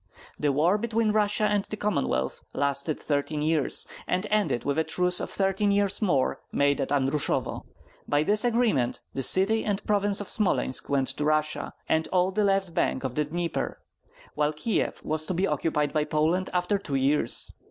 The war between Russia and the Commonwealth lasted thirteen years, and ended with a truce of thirteen years more, made at Andrusovo. By this agreement the city and province of Smolensk went to Russia, and all the left bank of the Dnieper, while Kieff was to be occupied by Poland after two years.